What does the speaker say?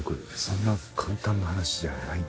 そんな簡単な話じゃないと。